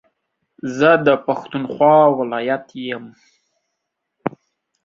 زه دا پښتونخوا ولايت يم